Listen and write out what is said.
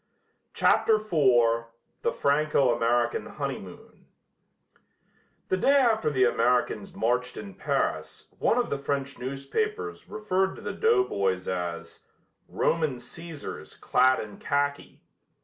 CHAPTER IV THE FRANCO AMERICAN HONEYMOON The day after the Americans marched in Paris one of the French newspapers referred to the doughboys as "Roman Cæsars clad in khaki."